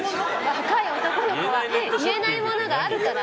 男の子は言えないものがあるから。